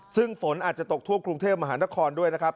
ซึ่งฝนอาจจะตกทั่วกรุงเทพมหานครด้วยนะครับ